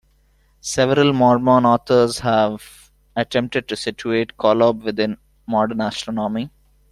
Several Mormon authors have attempted to situate Kolob within modern astronomy.